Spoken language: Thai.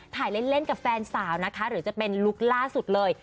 ถ่ายเล่นกับแฟนสาวนะคะหรือจะเป็นลุคล่าสุดเลย